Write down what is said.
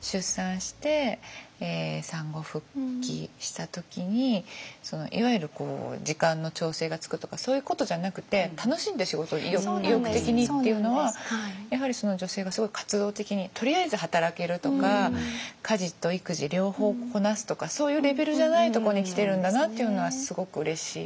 出産して産後復帰した時にいわゆる時間の調整がつくとかそういうことじゃなくて楽しんで仕事意欲的にっていうのはやはり女性がすごい活動的にとりあえず働けるとか家事と育児両方こなすとかそういうレベルじゃないとこに来てるんだなっていうのはすごくうれしい。